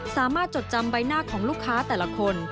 จดจำใบหน้าของลูกค้าแต่ละคน